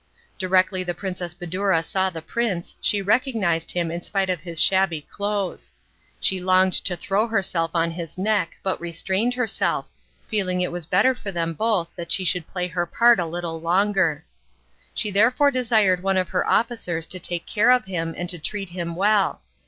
Directly the Princess Badoura saw the prince she recognised him in spite of his shabby clothes. She longed to throw herself on his neck, but restrained herself, feeling it was better for them both that she should play her part a little longer. She therefore desired one of her officers to take care of him and to treat him well.